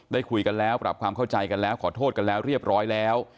ได้คุยกันแล้วปรับความเข้าใจกันแล้วขอโทษกันแล้วเรียบร้อยแล้ว